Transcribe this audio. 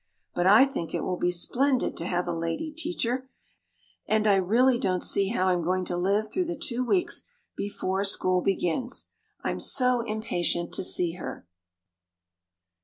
But I think it will be splendid to have a lady teacher, and I really don't see how I'm going to live through the two weeks before school begins. I'm so impatient to see her."